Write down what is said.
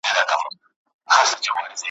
او چي مات یې له غمونو سړي یو په یو ورکیږي `